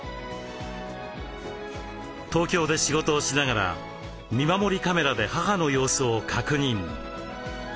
東京で仕事をしながら見守りカメラで母の様子を確認。